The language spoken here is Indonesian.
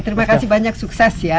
terima kasih banyak sukses ya